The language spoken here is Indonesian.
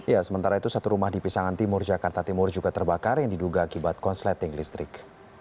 ya sementara itu satu rumah di pisangan timur jakarta timur juga terbakar yang diduga akibat konsleting listrik